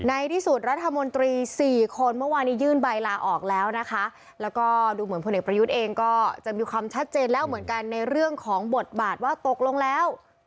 ในที่สุดรัฐมนตรีสี่คนเมื่อวานนี้ยื่นใบลาออกแล้วนะคะแล้วก็ดูเหมือนพลเอกประยุทธ์เองก็จะมีความชัดเจนแล้วเหมือนกันในเรื่องของบทบาทว่าตกลงแล้ว